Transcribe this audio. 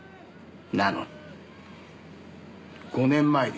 なのに５年前です。